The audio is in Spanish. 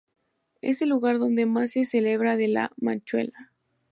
Es el lugar donde más se celebra de la Manchuela.